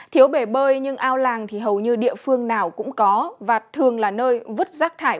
thiếu bể bơi nhưng ao làng thì hầu như địa phương nào cũng có và thường là nơi vứt rác thải bửa bãi nước bẩn vì ít khi được cải tạo vệ sinh